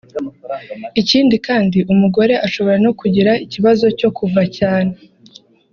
Ikindi kandi umugore ashobora no kugira ikibazo cyo kuva cyane